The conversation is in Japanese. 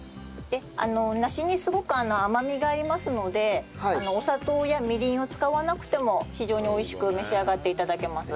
梨にすごく甘みがありますのでお砂糖やみりんを使わなくても非常に美味しく召し上がって頂けます。